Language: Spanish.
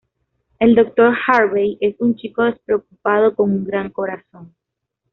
El Dr. Harvey es un chico despreocupado con un gran corazón.